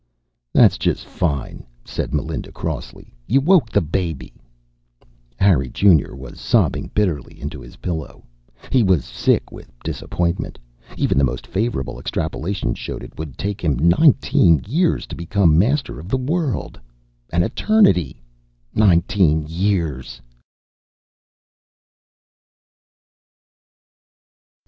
"That's just fine," said Melinda crossly. "You woke the baby." Harry Junior was sobbing bitterly into his pillow. He was sick with disappointment. Even the most favorable extrapolation showed it would take him nineteen years to become master of the world. An eternity. Nineteen years!